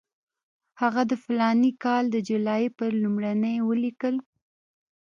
هغه د فلاني کال د جولای پر لومړۍ ولیکل.